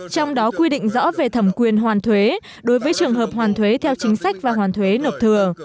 trong đó quy định rõ về thẩm quyền hoàn thuế đối với trường hợp hoàn thuế theo chính sách và hoàn thuế nộp thừa